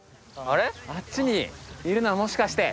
あっちにいるのはもしかして。